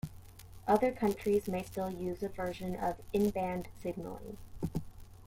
Other countries may still use a version of in-band signaling.